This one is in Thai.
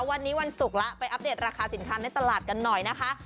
วันนี้วันศุกร์แล้วไปอัปเดตราคาสินค้าในตลาดกันหน่อยนะคะ